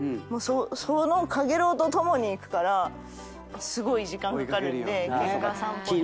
そのカゲロウと共に行くからすごい時間かかるんで結果散歩に。